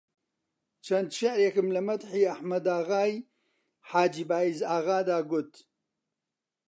چەند شیعرێکم لە مەدحی ئەحمەداغای حاجی بایزاغادا گوت